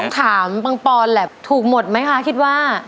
ต้องถามพังปรอล์ดแหละถูกหมดไหมคะคิดว่า